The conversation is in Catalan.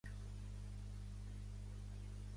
Era també als límit antics de Soriguera.